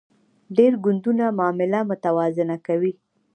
ډیر ګوندونه معامله متوازنه کوي